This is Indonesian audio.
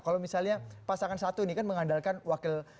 kalau misalnya pasangan satu ini kan mengandalkan wakil